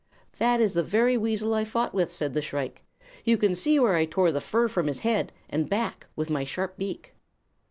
"'That is the very weasel I fought with,' said the shrike. 'You can see where I tore the fur from his head and back with my sharp beak.'